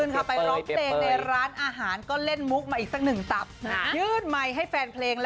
ทำมายงดออกเสียง